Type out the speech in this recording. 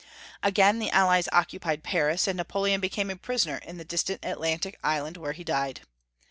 Again the Allies occupied Paris, and Napoleon be came a prisoner in the distant Atlantic island where he died.